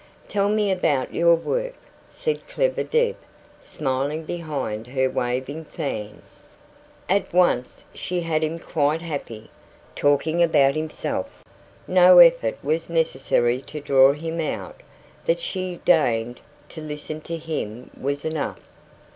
"Tell me about your work," said clever Deb, smiling behind her waving fan. At once she had him quite happy, talking about himself. No effort was necessary to draw him out; that she deigned to listen to him was enough.